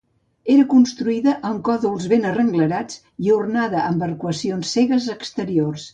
Era construïda amb còdols ben arrenglerats i ornada amb arcuacions cegues exteriors.